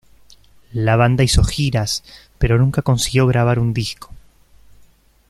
La banda hizo giras, pero nunca consiguió grabar un disco.